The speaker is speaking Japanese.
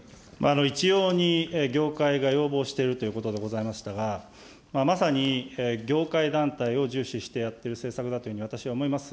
一様に業界が要望しているということでございましたが、まさに業界団体を重視してやってる政策だというふうに私は思います。